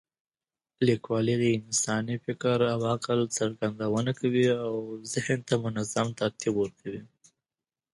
لیکوالی د انساني فکر او عقل څرګندونه کوي او ذهن ته منظم ترتیب ورکوي.